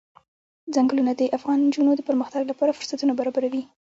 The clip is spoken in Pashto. چنګلونه د افغان نجونو د پرمختګ لپاره فرصتونه برابروي.